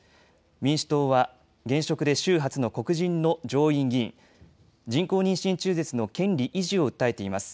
民主党は現職で州初の黒人の上院議員、人工妊娠中絶の権利維持を訴えています。